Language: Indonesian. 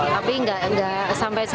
tapi enggak sampai setahun